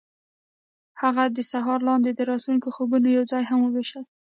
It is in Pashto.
هغوی د سهار لاندې د راتلونکي خوبونه یوځای هم وویشل.